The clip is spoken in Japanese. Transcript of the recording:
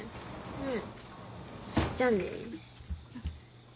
うん。